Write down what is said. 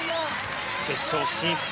決勝進出。